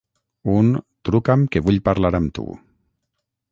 Un «truca'm que vull parlar amb tu».